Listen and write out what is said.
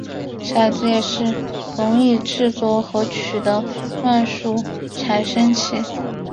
骰子也是容易制作和取得的乱数产生器。